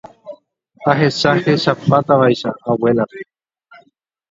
ahechahechapátavaicha abuélape